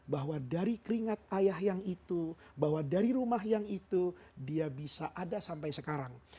bahwa dari keringat ayah yang itu bahwa dari rumah yang itu dia bisa ada sampai sekarang